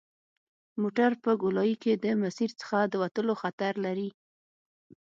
موټر په ګولایي کې د مسیر څخه د وتلو خطر لري